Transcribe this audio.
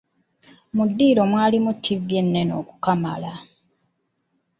Mu ddiiro mwalimu ttivvi ennene okukamala.